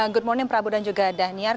good morning prabu dan juga dhaniar